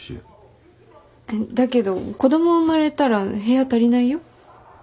だけど子供生まれたら部屋足りないよ？